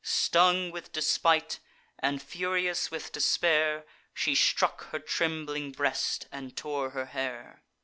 Stung with despite, and furious with despair, She struck her trembling breast, and tore her hair.